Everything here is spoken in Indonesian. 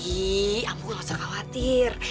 iiih ambu gak usah khawatir